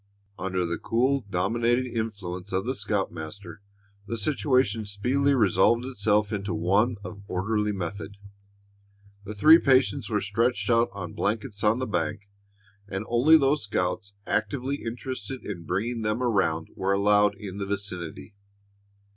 Under the cool, dominating influence of the scoutmaster the situation speedily resolved itself into one of orderly method. The three patients were stretched out on blankets on the bank, and only those scouts actively interested in bringing them around were allowed in the vicinity.